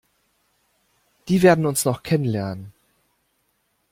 Die werden uns noch kennenlernen!